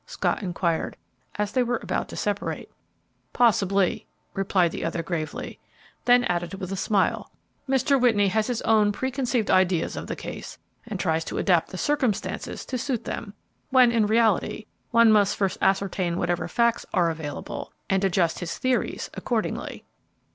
Scott inquired, as they were about to separate. "Possibly," replied the other, gravely. Then added, with a smile, "Mr. Whitney has his own preconceived ideas of the case and tries to adapt the circumstances to suit them, when, in reality, one must first ascertain whatever facts are available and adjust his theories accordingly."